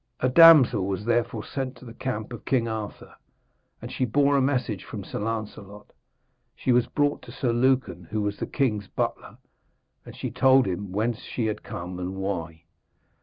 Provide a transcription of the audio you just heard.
A damsel was therefore sent to the camp of King Arthur, and she bore a message from Sir Lancelot. She was brought to Sir Lucan, who was the king's butler, and she told him whence she had come and why.